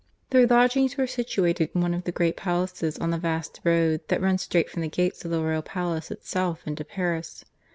Their lodgings were situated in one of the great palaces on the vast road that runs straight from the gates of the royal palace itself into Paris.